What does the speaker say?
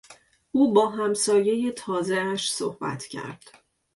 او با همسایهی تازهاش صحبت کرد.